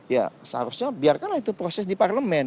ya seharusnya biarkanlah itu proses di parlemen